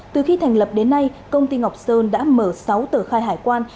từ khi thành lập đến nay công ty ngọc sơn đã mở sáu tờ khai hải quan